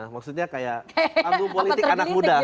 maksudnya kayak panggung politik anak muda